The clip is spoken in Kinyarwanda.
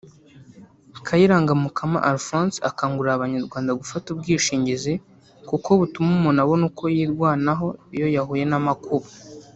Kayiranga Mukama Alphonse akangurira abanyarwanda gufata ubwishingizi kuko butuma umuntu abona uko yirwanaho iyo yahuye n’amakuba